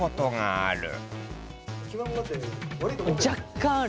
若干ある。